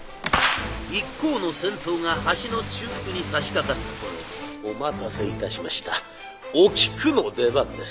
一行の先頭が橋の中腹にさしかかった頃お待たせいたしましたおキクの出番です。